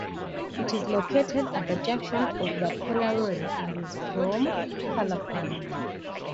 It is located at the junction of the Pola Road and is from Calapan.